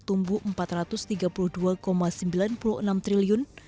tumbuh empat ratus tiga puluh dua sembilan puluh enam triliun